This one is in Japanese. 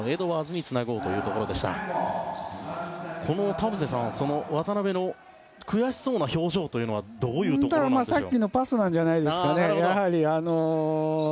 田臥さん、渡邊の悔しそうな表情というのはどういうところなんでしょう。